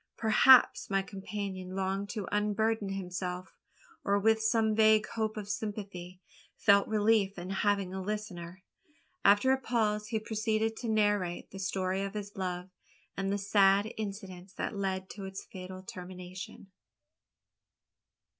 Perhaps my companion longed to unburden himself; or, with some vague hope of sympathy, felt relief in having a listener. After a pause he proceeded to narrate the story of his love, and the sad incidents that led to its fatal termination.